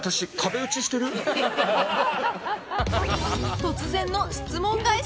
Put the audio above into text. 突然の質問返し！